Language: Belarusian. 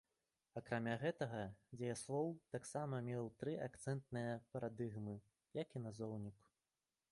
Акрамя гэтага, дзеяслоў таксама меў тры акцэнтныя парадыгмы, як і назоўнік.